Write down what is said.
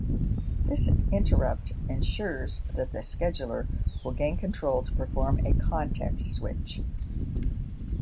This interrupt ensures that the scheduler will gain control to perform a context switch.